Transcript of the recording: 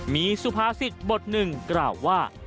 มีสุภาษิตบทหนึ่งกล่าวว่า